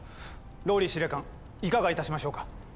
ＲＯＬＬＹ司令官いかがいたしましょうか？